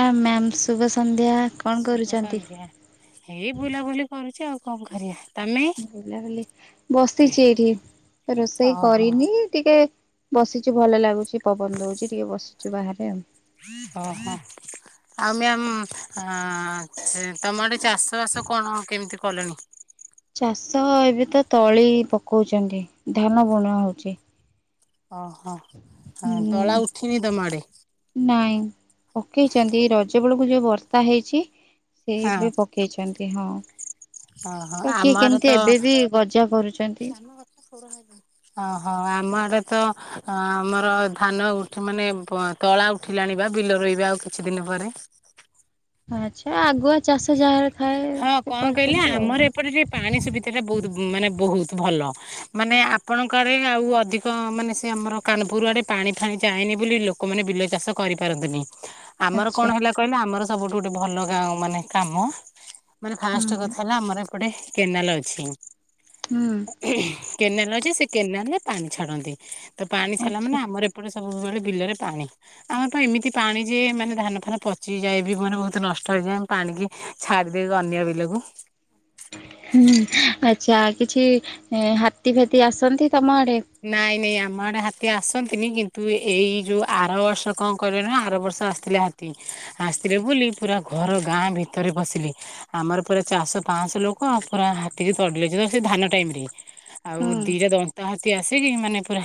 ଆ ma'am ଶୁଭ ସନ୍ଧ୍ୟା। କଣ ଶୁଭ କରୁଛନ୍ତି? ସନ୍ଧ୍ୟା ହେଇ ବୁଲାବୁଲି କରୁଛି ଆଉ କଣ କରିବା। ତମେ? ବୁଲାବଲି ବସିଛି ଏଇଠି ରୋଷେଇ ଓହୋ କରିନି ଟିକେ ବସିଚୁ ଭଲ ଲାଗୁଛି ପବନ ଦଉଛି ଟିକେ ବସିଛୁ ବାହାରେ ଆଉ। ଓ ହଁ? ଆଉ ମ୍ୟାାମ ଅ ସେ ତମ ଆଡେ ଚାଷବାସ କଣ କେମିତି କଲେଣି? ଚାଷ ଏବେ ତ ତଳି ପକଉଛନ୍ତି ଧାନ ବୁଣ ହଉଛି। ଓହୋ ଅ ହୁଁ ତଳା ଉଠିନି ତମ ଆଡେ। ନାଇଁ ପକେଇଛନ୍ତି ରଜ ବେଳକୁ ଯୋଉ ବର୍ଷା ହେଇଛି ସେ ହଁ ଏବେ ପଖେଇଛନ୍ତି ଓହୋ ହଁ ଆମ କିଏ ଆଡେ ତ କେମିତି ଏବେ ବି ଗଜା କରୁଛନ୍ତି। [unintelligible] ଓହୋ ଆମ ଆଡେ ତ ଆମର ଧାନ ଉଠି ମାନେ ବ ତଳା ଉଠିଲା ଆଣିବା ବିଲ ରୋଇିବା ଆଉ କିଛି ଦିନ ପରେ। ଆଚ୍ଛା ଆଗୁଆ ଚାଷ ଯାହାର ଥାଏ ହଁ ସେ କଣ କହିଲେ କରିଛନ୍ତି ଆମର ଆଉ। ଏପଟେ ଟିକେ ପାଣି ସୁବିଧାଟା ବହୁତ ମାନେ ବହୁତ ଭଲ ମାନେ ଆପଣଙ୍କ ଆଡ଼େ ଆଉ ଅଧିକ ମାନେ ସେ ଆମର କାନପୁର ଆଡେ ପାଣି ଫାଣି ଯାଏନି ବୋଲି ଲୋକମାନେ ବିଲ ଚାଷ କରିପାରନ୍ତିନି। ଆମର ଆଚ୍ଛା କଣ ହେଲା କହିଲେ ଆମର ସବୁଠୁ ଗୋଟେ ଭଲ ଗାଁ ମାନେ କାମ ମାନେ ଫାଷ୍ଟ ହୁଁ କଥା ହେଲା ଆମର ଏପଟେ କେନାଲ ଅଛି ହୁଁ। କେନାଲ ଅଛି ସେ କେନାଲରେ ପାଣି ଛାଡ଼ନ୍ତି ତ ପାଣି ଛାଡ଼ିଲା ଆଚ୍ଛା ମାନେ ଆମର ଏ ଏପଟେ ସବୁବେଳେ ବିଲରେ ପାଣି। ଆମରପା ଏମିତି ପାଣି ଯେ ମାନେ ଧାନ ଫାନ ପଚିଯାଏ ବି ମାନେ ବହୁତ ନଷ୍ଟ ହେଇଯାଏ। ପାଣିକି ଛାଡିଦେବେ ଅନ୍ୟ ବିଲକୁ। ହୁଁ ଆଚ୍ଛା କିଛି ହାତୀ ଫାତି ଆସନ୍ତି ତମ ଆଡେ? ନାଇଁ ନାଇଁ ଆମ ଆଡେ ହାତୀ ଆସନ୍ତିନି କିନ୍ତୁ ଏଇ ଯୋଉ ଆର ବର୍ଷ କଣ କହିଲ ନାଁ ଆର ବର୍ଷ ଆସିଥିଲେ ହା ତି ଆସିଥିଲେ ବୋଲି ପୁରା ଘର ଗାଁ ଭିତରେ ପସିଲେ। ଆମର ପୁରା ଚାଶ ପାଞ୍ଚଶହ ଲୋକ ପୁରା ହାତୀରେ ତଡିଲେ ସେ ଧାନ ଟାଇମ ରେ ହୁଁ। ଆଉ ଦିଟା ଦନ୍ତା ହାତୀ ଆସିକି ମାନେ ପୁରା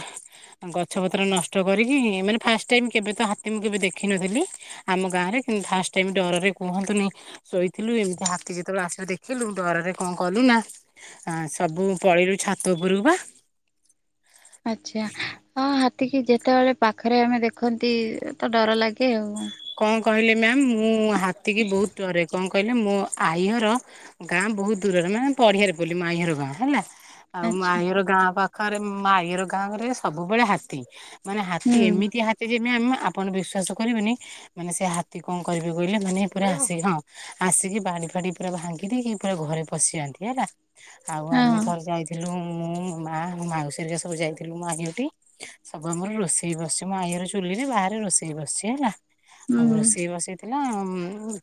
ଗଛ ପତ୍ର ନଷ୍ଟ କରିକି ମାନେ ଫାଷ୍ଟ ଟାଇମ କେବେ ତ ହାତୀ ମୁଁ କେବେ ଦେଖିନଥିଲି ଆମ ଗାଁ ରେ କିନ୍ତୁ ଫାଷ୍ଟ ଟାଇମ ଡରରେ କୁହନ୍ତୁନି ଶୋଇଥିଲୁ ଏମିତି ହାତୀ ଯେତେବେଳେ ଆସିବ ଦେଖିଲୁ ଡରରେ କଣ କଲୁ ନା ଆ ସବୁ ପଳେଇରୁ ଛାତ ଉପରକୁ ପା। ଆଚ୍ଛା ହଁ ହାତୀ କି ଯେତେବେଳେ ପାଖରେ ଆମେ ଦେଖନ୍ତି ତ ଡର ଲାଗେ ଆଉ। କଣ କହିଲେ ମ୍ୟାମ୍ ମୁଁ ହାତୀ କିି ବହୁତ ଡରେ କଣ କ କହିଲେ ମୋ ଆଇଅର ଗାଁ ବହୁତ ଦୂରରେ ମାନେ ପଡିଆରେ ବୋଲି ମୋ ଆଇଅର ଗାଁ ହେଲା ଆଉ ଆଚ୍ଛା ଆଈ ଘର ଗାଁ ପାଖରେ ମାଈର ଗାଁ ରେ ସବୁବେଳେ ହାତୀ ମାନେ ହାତୀ ହୁଁ ଏମିତି ହାତୀ ଯେମତି ଆମେ ଆପଣ ବିଶ୍ଵାସ କରିବେନି ମାନେ ସେ ହାତୀ କଣ କରିବେ କହିଲେ ମାନେ ପୁରା ଆସି ହଁ ଆସିକି ବାଡ଼ି ଫାଡ଼ି ପୁରା ଭାଙ୍ଗି ଦେଇକି ପୁରା ଘରେ ପଶିଯାଆନ୍ତି ହେଲା। ଆଉ ଆମେ ହଁ ଥରେ ଯାଇଥିଲୁ ମୁଁ ମା, ମାଉସୀ ହେରିକା ସବୁ ଯାଇଥିଲୁ [unintelligible] ସବୁ ଆମର ରୋଷେଇ ବସିଛି, ମୋ ଆଈ ଘର ଚୁଲି ରେ ବାହାରେ ରୋଷେଇ ବସିଛି ହେଲା। ସବୁ ହୁଁ ରୋଷେଇ ବସେଇଥିଲା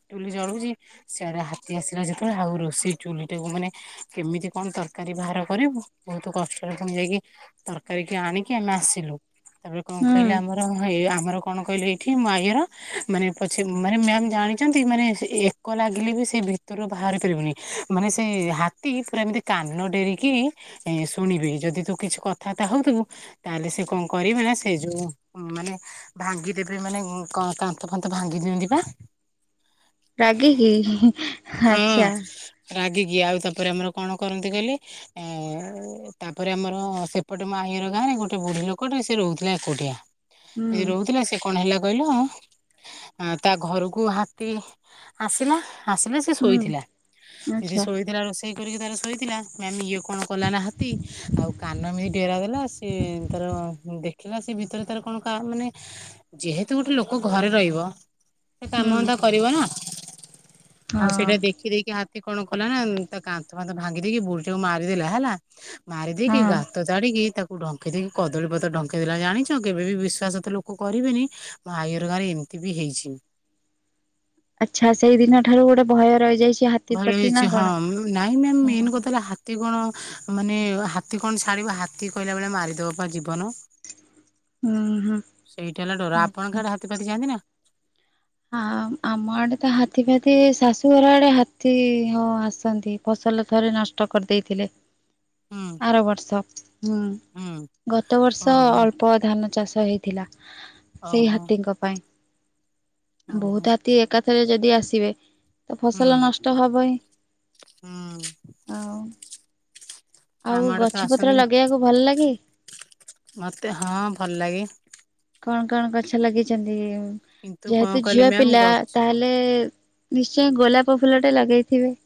ଚୁଲି ଜଳୁଛି ସେ ଆଡ଼େ ହାତୀ ଆସିଲା ଯେତେବେଳେ, ଆଉ ରୋଷେଇ ଚୁଲିଟାକୁ ମାନେ କେମିତି କଣ ତରକାରୀ ବାହାର କରିବୁ ବହୁତ କଷ୍ଟରେ ପୁଣି ଯାଇକି ତରକାରୀ କି ଆଣିକି ଆମେ ଆସିଲୁ। ତାପରେ କଣ ହୁଁ କହିଲେ ଆମର- ଆମର କଣ କହିଲେ ଏଇଠି ମୋ ଆଈ ଘର ମାନେ ପଛେ ମାନେ ମ୍ୟାାମ ଜାଣିଛନ୍ତି ମାନେ ଏକ ଲାଗିଲେ ବି ସେ ଭିତରୁ ବାହାରି ପାରିବୁନି। ମାନେ ସେ ହାତୀ ପୁରା ଏମିତି କାନ ଡେରିକି ଏ ଶୁଣିବେ, ଯଦି ତୁ କିଛି କଥାବାର୍ତ୍ତା ହଉଥିବୁ ତାହେଲେ ସେ କଣ କରିବେ ନା ସେ ଯୋଉ ମାନେ ଭାଙ୍ଗିଦେବେ ମାନେ କ କାନ୍ଥ - ଫାନ୍ଥ ଭାଙ୍ଗି ଦିଅନ୍ତି ବା। ରାଗିକି ହଁ ଆଚ୍ଛା। ରାଗିକି। ଆଉ ତାପରେ ଆମର କଣ କରନ୍ତି କହିଲେ ତାପରେ ଆମର ସେପଟେ ମୋ ଆଈ ଘର ଗାଁ ରେ ଗୋଟେ ବୁଢ଼ୀ ଲୋକଟେ ସେ ରହୁଥିଲା ଏକୁଟିଆ। ହୁଁ ଯଦି ରହୁଥିଲା ସେ କଣ ହେଲା କହିଲ। ତା ଘରକୁ ହାତୀ ଆସିଲା ଆସିଲା ସେ ହୁଁ ଶୋଇଥିଲା। ଯଦି ଆଚ୍ଛା ଶୋଇଥିଲା ରୋଷେଇ କରିକି ତାର ଶୋଇଥିଲା ମ୍ୟାମ୍ ଇଏ କଣ କଲା ନା ହାତୀ ଆଉ କାନ ଏମିତି ଡେରା ଦେଲା ସିଏ ତାର ଦେଖିଲା ସେ ଭିତରେ ତାର କଣ ମାନେ ଯେହେତୁ ଗୋଟେ ଲୋକ ଘରେ ରହିବ ସେ କାମ ହୁଁ ଧନ୍ଦା କରିବ ନା। ଆଉ ହଁ। ସେଟା ଦେଖ ଖି ଦେଇକି ହାତୀ କଣ କଲା ନା ତା କାନ୍ଥ ଫାନ୍ଥ ଭାଙ୍ଗି ଦେଇକି ବୁଢ଼ୀ ଟାକୁ ମାରି ଦେଲା ହେଲା। ମାରି ଦେଇକି ହଁ ଗାତ ତାଡ଼ିକି ତା କୁ ଢଙ୍କେଇ ଦେଇକି କଦଳୀ ପତ୍ର ଢଙ୍କେଇଦେଲା। ଜାଣିଛ କେବେ ବି ବିଶ୍ୱାସ ତ ଲୋକ କରିବେନି। ଆାଈ ଘର ଗାଁରେ ଏମିତି ବି ହେଇଛି। ଆଚ୍ଛା ସେଇ ଦିନ ଠାରୁ ଗୋଟେ ଭୟ ରହିଯାଇଛି ହାତୀ ଭୟ ପ୍ରତି ନା ହେଇଛି ହଁ। କଣ? ନାଇଁ ମ୍ୟାମ୍ ହୁଁ ମେନ୍ କଥା ହେଲା ହା ହାତୀ କଣ ମାନେ ହାତୀ କଣ ଛାଡିବ। ହାତୀ କହିଲା ଭଳିଆ ମାରିଦବ ପା ଜୀବନ। ହୁଁ ହୁଁ ସେଇଟା ହେଲା ଡର। ଆଚ୍ଛା ଆପଣଙ୍କ ଆଡ଼େ ହାତୀ-ଫାତି ଯାଆନ୍ତି ନା? ହଁ, ଆମ ଆଡ଼େ ତ ହାତୀ-ଫାତୀ ଶାଶୁଘର ଆଡ଼େ ହାତୀ ହଁ ଆସନ୍ତି। ଫସଲ ଥରେ ନଷ୍ଟ କରି ଦେଇଥିଲେ। ହୁଁ। ଆର ବର୍ଷ। ହୁଁ, ହୁଁ ଗତ ବର୍ଷ ଓହୋ ଅଳ୍ପ ଧାନ ଚାଷ ହେଇ ଥିଲା। ସେଇ ଓହୋ। ହାତୀଙ୍କ ପାଇଁ। ଓହୋ ବହୁତ ହାତୀ ଏକାଥରେ ଯଦି ଆସିବେ ତ ଫସଲ ନଷ୍ଟ ହବ ହିଁ। ହଁ। ଆଉ ଆମ ଆଉ ଆଡେ ତ ଗଛ ପତ୍ର ଆସନ୍ତିନି ଲଗେଇବାକୁ ଭଲ ଲାଗେ? ମତେ ହଁ ଭଲ ଲାଗେ। କଣ କଣ ଗଛ ଲାଗେଇଛନ୍ତି? କିନ୍ତୁ କଣ ଯେହେତୁ କହିଲେ ଝିଅ ମ୍ୟାମ୍ ଗ ପିଲା ତାହେଲେ ନିଶ୍ଚୟ ଗୋଲାପ ଫୁଲ ଟେ ଲଗେଇଥିବେ।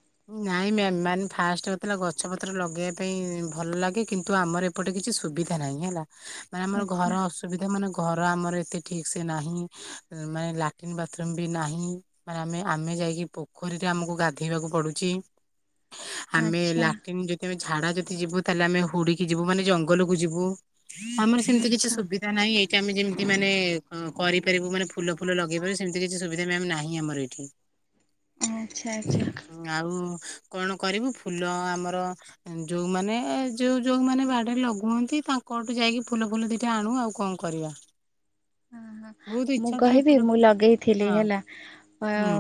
ନାଇଁ ମ୍ୟାମ୍ ମାନେ ଫାଷ୍ଟ ଯେତେବେଳେ ଗଛ ପତ୍ର ଲଗେଇବା ପାଇଁ ଭଲ ଲାଗେ କିନ୍ତୁ ଆମର ଏପଟେ କିଛି ସୁବିଧା ନାହିଁ ହେଲା। ମାନେ ଆମର ଆଚ୍ଛା ଘର ଅସୁବିଧା ମାନେ ଘର ଆମର ଏତେ ଠିକ ସେ ନାହିଁ। ମାନେ ଲାଟ୍ରନ୍, ବାଥରୁମ ବି ନାହିଁ। ମାନେ ଆମେ ଆମେ ଯାଇକି ପୋଖରୀରେ ଆମକୁ ଗାଧେଇବାକୁ ପଡ଼ୁ ଚି। ଆମେ ଆଚ୍ଛା ଲାଟ୍ରିନ ଯଦି ଆମେ ଝାଡ଼ା ଯଦି ଯିବୁ ତାହେଲେ ଆମେ ହୁଡି କି ଯିବୁ, ମାନେ ଜଙ୍ଗଲକୁ ଯିବୁ। ଆମର ସେମିତି କିଛି ଆଚ୍ଛା ସୁବିଧା ନାହିଁ ଏଇଟା ଆମେ ଯେମିତି ମାନେ କରିପାରିବୁ ମାନେ ଫୁଲ ଫୁଲ ଲଗେଇ ପାରିବୁ ସେମିତି କିଛି ସୁବିଧା ନାହିଁ ଆମର ଏଇଠି। ଆଚ୍ଛା ଆଚ୍ଛା। ଆଉ କଣ କରିବୁ ଫୁଲ ଆମର ଯୋଉମାନେ ଯୋଉ ଯୋଉମାନେ ବାଡରେ ଲଗୁ ହନ୍ତି ତାଙ୍କଠୁ ଯାଇକି ଫୁଲ ଫୁଲ ଦିଟା ଆଣୁ ଆଉ କଣ କରିବା? ହ ହ ବହୁତ ମୁଁ ଇଚ୍ଛା ଥାଏ କହିବି ଫୁଲ ମୁଁ ଫୁଲ ଲଗେଇଥିଲି ହଁ ହେଲା ଅ ହୁଁ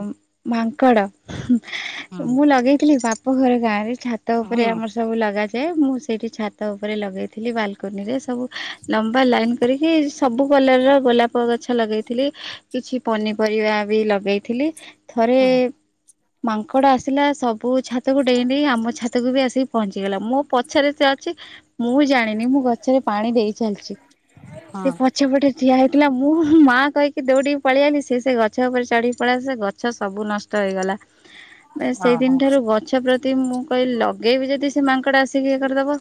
ମାଙ୍କଡ ହୁଁ ମୁଁ ଲଗେଇଥିଲି ବାପ ଘର ଗାଁରେ ଛାତ ଉପରେ ହୁଁ ଆମର ସବୁ ଲଗା ଯେ ମୁଁ ସେଇଠି ଛାତ ଉପରେ ଲଗେଇଥିଲି ବାଲକୋନିରେ ସବୁ ଲମ୍ବା ଲାଇନ କରିକି ସବୁ କଲର ର ଗୋଲାପ ଗଛ ଲଗେଇଥିଲି କିଛି ପନିପରିବା ବି ଲଗେଇଥିଲି। ଥରେ ହଁ ମାଙ୍କଡ଼ ଆସିଲା ସବୁ ଛାତକୁ ଡେଇଁ ଡେ଼ଁଇ ଆମ ଛାତକୁ ବି ଆସିି ପହଞ୍ଚିଗଲା ମୋ ପଛରେ ସେ ଅଛି ମୁଁ ଜା ଣିନି ମୁଁ ଗଛରେ ପାଣି ଦେଇ ଚାଲିଛି ସେ ପଛପଟେ ଠିଆ ଥିଲା ମୁଁ ମାଆ କହିକି ଦଉଡ଼ିକି ପଳେଇଲି ସେ ସେଇ ଗଛ ଉପରେ ଚଢ଼ିକି ପଳେଇଲା ସେ ଗଛ ସବୁ ନଷ୍ଟ ହେଇଗଲା। ହ ସେଇଦିନ ଠାରୁ ଗଛ ପ୍ରତି ମୁଁ କହିଲି ଲଗେଇବି ଯଦି ସେ ମାଙ୍କଡ ଆସିକି ଇଏ କରିଦବ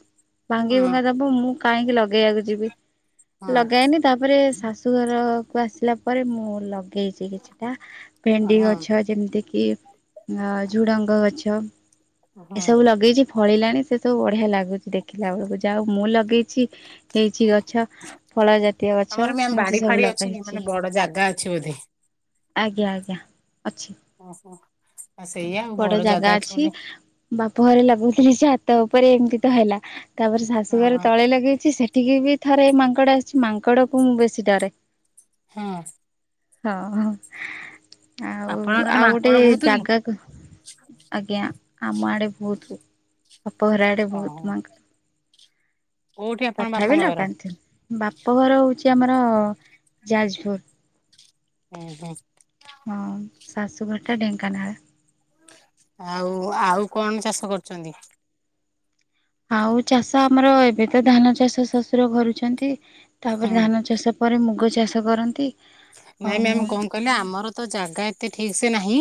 ହଁ ଭାଙ୍ଗି ହଁ ଭଙ୍ଗା ଦବ ମୁଁ କାହିଁକି ଲଗେଇବାକୁ ଯିବି ହଁ ଲଗାଏନି ତାପରେ ଶାଶ୍ ଉ ଘରକୁ ଆସିଲା ପରେ ମୁଁ ଲଗେଇଛି କିଛିଟା ଭେଣ୍ଡି ହଁ ଗଛ ଯେମିତି କିି ଅ ଝୁଡ଼ଙ୍ଗ ଗଛ ହଁ ଏସବୁ ଲଗେଇଛି। ଫଳିଲାଣି ସେ ସବୁ ବଢିଆ ଲାଗୁଛି ଦେଖିଲା ବେଳକୁ ଯହାଉ ମୁଁ ଲଗେଇଛି ହେଇଛି ଗଛ ଫଳ ଜାତୀୟ ଗଛ। ତମର ମ୍ୟାମ ଏମିତି ବାଡି ସବୁ ଫାଡି ଲଗା ଅଛି କି ହେଇଛି ମାନେ ବଡ ଜାଗା ଅଛି ବୋଧେ? ଆଜ୍ଞା ଆଜ୍ଞା ଅଛି। ଓହୋ ଆଉ ସେଇଆ ଆଉ ବଡ ଜାଗା ଅଛି ବୋଲି ବାପ ଘରେ ଲଗଉଥିଲି ଯେ ହାତ ଉପରେ ଏମତି ତ ହେଲା ତାପରେ ଶାଶୁ ହଁ ଘରେ ହଁ ତଳେ ଲଗେଇଛି ସେଠିକି ବି ଥରେ ମାଙ୍କଡ ଆସିଛି ମାଙ୍କଡ କ ମୁଁ ବେଶୀ ଡରେ। ହଁ। ହଁ ହଁ। ଆଉ ଆପଣଙ୍କ ଆଡେ ଆଉ ଗୋଟେ ମାଙ୍କଡ ବହୁତ କି ଜାଗାକୁ ଆଜ୍ଞା ଆମ ଆଡେ ବହୁତ ଅପା ଘର ଆଡେ ଓହୋ ବହୁତ ମାଙ୍କ କୋଉଠି ଆପଣ ତଥାପି ବାପଙ୍କ ଘର ଲଗାଥୁ ବାପଘର ହଉଛି ଆମର ଯାଜପୁର। ହୁଁ ହୁଁ। ହଁ ଶାଶୁଘରଟା ଢେଙ୍କାନାଳ। ଆଉ ଆଉ କଣ ଚାଷ କରୁଛନ୍ତି? ଆଉ ଚାଷ ଆମର ଏବେ ତ ଧାନ ଚାଷ ଶଶୁର କରୁଛନ୍ତି। ତାପରେ ହୁଁ ଧାନ ଚାଷ ପରେ ମୁଗ ଚାଷ କରନ୍ତି। ନାଇଁ ଆଉ ମ୍ୟାମ ମୁଁ କଣ କହିଲେ ଆମର ତ ଜାଗା ଏତେ ଠିକ ସେ ନାହିଁ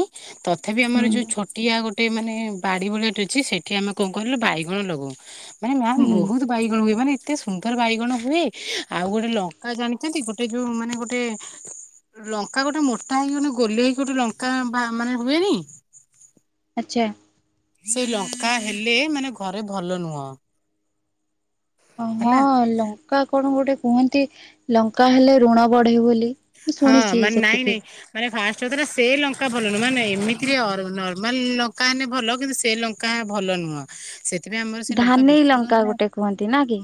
ତଥାପି ହୁଁ ଆମର ଯୋଉ ଛୋଟ ଟିଆ ଗୋଟେ ମାନେ ବାଡି ଭଳିଆଟ ଅଛି ସେଠି ଆମେ କଣ କହିଲ ବାଇଗଣ ଲଗଉ ମାନେ ମ୍ୟାମ ହୁଁ ବହୁତ ବାଇଗଣ ହୁଏ ମାନେ ଏତେ ସୁନ୍ଦର ବାଇଗଣ ହୁଏ ଆଉ ଗୋଟେ ଲଙ୍କା ଜାଣିଛନ୍ତି ଗୋଟେ ଯୋଉ ମାନେ ଗୋଟେ ଲଙ୍କା ଗୋଟେ ମୋଟା ହେଇକି ଗୋଟେ ଗୋଲି ହେଇକି ଗୋଟେ ଲଙ୍କା ମାନେ ହୁଏନି? ଆଚ୍ଛା। ସେଇ ଲଙ୍କା ହେଲେ ମାନେ ଘରେ ଭଲ ନୁହଁ। ହଁ ହେଲା ଲଙ୍କା କଣ ଗୋଟେ କୁହନ୍ତି ଲଙ୍କା ହେଲେ ଋଣ ବଢେ ବୋଲି। ମୁଁ ହଁ ଶୁଣିଛି ମାନେ ନାଇଁ ନାଇଁ ସେତିକି। ମାନେ ଫାଷ୍ଟ ସେ ଲଙ୍କା ଭଲ ନୁ ମାନେ ଏମିତିରେ ନର୍ମାଲ ଲଙ୍କା ହେଲେ ଭଲ କିନ୍ତୁ ସେ ଲ ଙ୍କା ଭଲ ନୁହଁ ସେ ଏଥିପାଇଁ ଆମର ସେ ଲଙ୍କା ଧାନେଇ ବିଶ୍ୱାସ ଲଙ୍କା ହଁ ଗୋଟେ କୁହନ୍ତି ନା କି?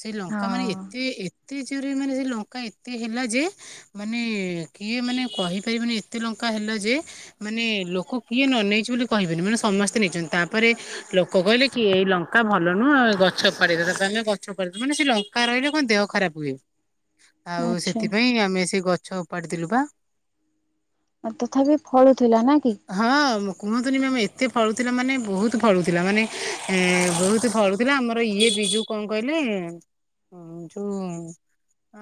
ସେ ଲଙ୍କା ମାନେ ହଁ ଏତେ ଏତେ ଜୋରେ ମାନେ ସେ ଲଙ୍କା ଏତେ ହେଲା ଯେ ମାନେ କିଏ ମାନେ କହିପାରିବେନି ଏତେ ଲଙ୍କା ହେଲା ଯେ ମାନେ ଲୋକ କିଏ ନ ନେଇଛି ବୋଲି କହିବେନି ମାନେ ସମସ୍ତେ ନେଇଛନ୍ତି ତାପରେ ଲୋକ କହିଲେ କି ଏଇ ଲଙ୍କା ଭଲ ନୁହଁ ଗଛ ପାଦେ ତା ଆମେ ଗଛ ପାଦ ମାନେ ସେ ଲଙ୍କା ରହିଲେ କଣ ଦେହ ଖରାପ ହୁଏ। ଆଉ ଆଚ୍ଛା। ସେଥିପାଇଁ ଆମେ ସେ ଗଛ ଉପାଡି ଦେଲୁ ବା ଆଉ ତଥାପି ଫଳୁଥିଲା ନା କି? ହଁ କୁହନ୍ତୁନି ମ୍ୟାାମ ଏତେ ଫଳୁଥିଲା ମାନେ ବହୁତ ଫଳୁଥିଲା ମାନେ ବହୁତ ଫଳୁ ତେବେ ଆମର ଇଏ ବିଜୁ କଣ କହିଲେ ହଁ ଯୋଉ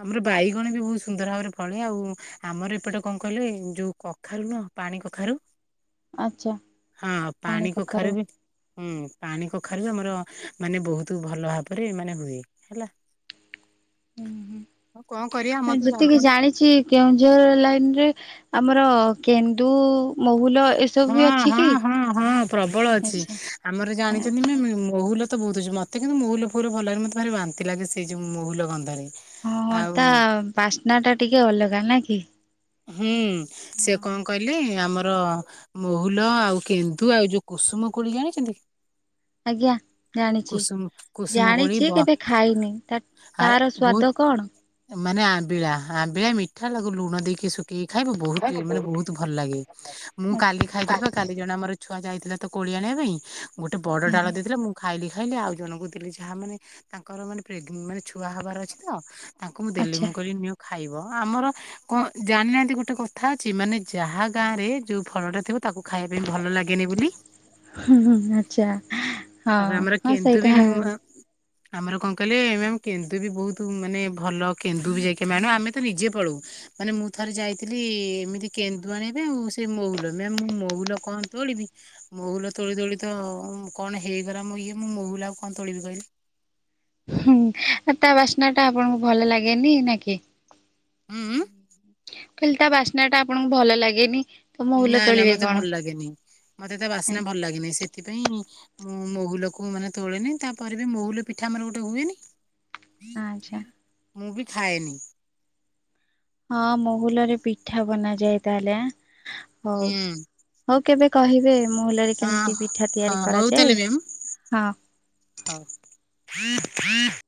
ଆମର ବାଇଗଣ ବି ବହୁ ସୁନ୍ଦର ଭାବରେ ଫଳେ। ଆଉ ଆମର ଏପଟେ କଣ କହିଲେ ଯୋଉ କଖାରୁ ନୁହ ପାଣି କଖାରୁ ଆଚ୍ଛା ହଁ ପାଣି କଖାରୁ ବି ହୁଁ ପାଣି କଖାରୁ ଆମର ମାନେ ବହୁତ ଭଲ ଭାବରେ ମାନେ ହୁଏ ହେଲା। ହଉ କଣ କରିବା ମତେ ଟିକେ ଜାଣିଛି କେଉଁଝର ଲାଇନ ରେ ଆମର କେନ୍ଦୁ ମହୁଲ ଏସବୁ ହଁ ବି ଅଛି ହଁ କି? ହଁ ହଁ ପ୍ରବଳ ଅଛି ଆଛା ଆମର ଜାଣିଛନ୍ତି ଆଛା ମେ ମହୁଲ ତ ବହୁଝଛି ମତେ କିନ୍ତୁ ମହୁଲ ଫୁଲ ଭଲ ଲାଗ ମତେ ଭି ବାନ୍ତି ଲାଗେ। ସେ ସେ ଯେଉଁ ମହୁଲ ଗନ୍ଧରେ। ହଁ ଆଉ ତା ବାସ୍ନା ଟା ଟିକେ ଅଲଗା ନ କି। ହୁଁ ସେ କଣ କହିଲି ଆମର ମହୁଲ ଆଉ କେନ୍ଦୁ ଆଉ ଯୋଉ କୁସୁମ କୋଳି ଜାଣିଛନ୍ତି? ଆଜ୍ଞା ଜାଣିଛି। କୁସୁମ କୁସୁମ କୋଳି ଜାଣିଛି ବ କେବେ ଖାଇନି ଆ ତାର ସ୍ଵାଦ ବହୁତ କଣ? ମାନେ ଆମ୍ବିଳା ଆମ୍ବିଳା ମିଠା ଲାଗୁ ଲୁଣ ଦେଇକି ଶୁଖ କି ଖାଇବ ବହୁତ ମାନେ ବହୁତ ଭଲ ଲାଗେ ମୁଁ କାଲି ଖାଇଥିଲି ବା କାଲି ଦ ଜଣ ଆମର ଛୁଆ ଯାଇଥିଲା ତ କୋଳି ଆଣିବା ପାଇଁ ଗୋଟେ ବଡ ଡାଳ ଦେଇଥିଲା ମୁଁ ଖାଇଲି ଖାଇଲି ଆଉ ଜଣଙ୍କୁ ଦେଲି। ଯାହା ମାନେ ତାଙ୍କର ମାନେ ପ୍ରେଗନ ମାନେ ଛୁଆ ହବାର ଅଛି ତ। ତାଙ୍କୁ ମୁଁ ଦେଲି ଆଚ୍ଛା ମୁଁ କରି ନିଅ ଖାଇବ ଆମର କଣ ଜାଣିନାହାନ୍ତି ଗୋଟେ କଥା ଅଛି ମାନେେ ଯାହା ଗାଁ ରେ ଯୋଉ ଫଳଟା ଥିବ ତାକୁ ଖାଇବା ପାଇଁ ଭଲ ଲାଗେନି ବୋଲି। ଆଛା ହଁ ତାପରେ ଆମର ହଁ କେନ୍ଦୁ ବି ସେଇଟା ମ ଆମର କଣ କହିଲେ ଏ କେନ୍ଦୁ ବି ବହୁତ ମାନେ ଭଲ କେନ୍ଦୁ ବି ଯାଇକି ମଣ ଆମେ ତ ନିଜେ ପଳଉ। ମାନେ ମୁଁ ଥରେ ଯାଇଥିଲି ଏମିତି କେନ୍ଦୁ ଆନିବା ପାଁଇ ଆଉ ସେ ମହୁଲ ମ ମୁଁ ମହୁଲ କଣ ତୋଳିବି। ମହୁଲ ତୋଳି ତୋଳି ତ କଣ ହେଇଗଲା ମୋ ଇଏ ମୁଁ ମହୁଲ ଆଉ କଣ ତୋଳିବି କହିଲି ହୁଁ ତା ବାସ୍ନା ଟା ଆପଣଙ୍କୁ ଭଲ ଲାଗେନି ନା କି? ହୁଁ। ଖାଲି ତା ବାସ୍ନା ଟା ଆପଣଙ୍କୁ ଭଲ ଲାଗେନି। ତ ମହୁଲ ନା ନା ତୋଳିବେ ମତେ କଣ? ଭଲ ଲାଗେନି ମତେ ତା ବାସ୍ନା ଭଲ ଲାଗେନହିଁ ସେଥିପାଇଁ ମହୁଲକୁ ମାନେ ତୋଳେନି ତାପରେ ବି ମହୁଲ ପିଠା ଆମର ଗୋଟେ ହୁଏନି। ଆଛା। ମୁଁ ବି ଖାଏନି। ହଁ ମୋ ହୁଲରେ ପିଠା ବନା ଯାଏ ତାହେଲେ ହଉ। ହୁଁ ହଉ କେବେ କହିବେ ମୁହଲରେ ହଁ କେମିତି ପିଠା ହଁ ତିଆରି ହଉ କରାଯାଏ ହଁ। ହଁଉ।